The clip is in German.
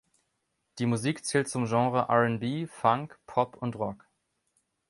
Die Musik zählt zum Genre R&B, Funk, Pop und Rock.